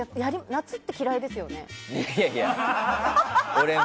夏って嫌いですよね？